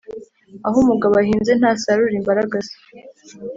aho umugabo ahinze ntasarura-imbaragasa.